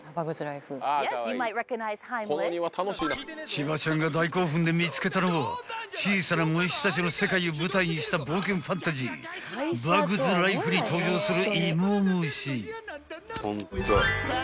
［千葉ちゃんが大興奮で見つけたのは小さな虫たちの世界を舞台にした冒険ファンタジー『バグズ・ライフ』に登場する芋虫］